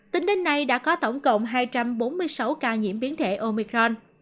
tính đến nay đã có tổng cộng hai trăm bốn mươi sáu ca nhiễm biến thể omicron